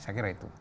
saya kira itu